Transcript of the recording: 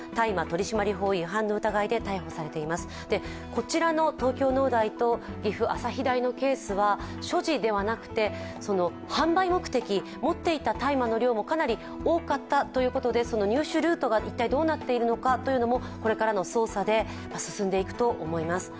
こちらの東京農大と岐阜・朝日大のケースは所持ではなくて、販売目的持っていた大麻の量もかなり多かったということでその入手ルートが一体どうなっているのかというのもこれから捜査で進んでいくと思います。